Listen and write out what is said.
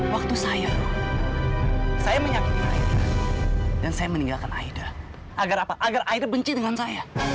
waktu saya saya menyakiti aida dan saya meninggalkan aida agar apa agar airnya benci dengan saya